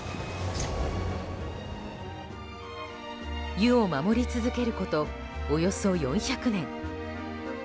湯を守り続けることおよそ４００年。